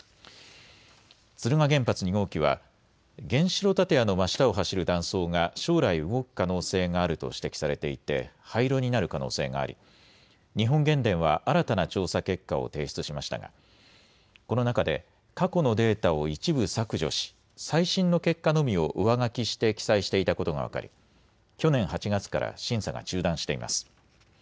敦賀原発２号機は原子炉建屋の真下を走る断層が将来動く可能性があると指摘されていて廃炉になる可能性があり日本原電は新たな調査結果を提出しましたがこの中で過去のデータを一部削除し最新の結果のみを上書きして記載していたことが分かり、去年８月から審査が中断しています。